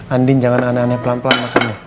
andin jangan aneh aneh pelan pelan makan ya